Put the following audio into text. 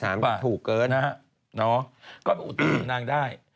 นะฮะน้องก็เป็นอุติภาษานางได้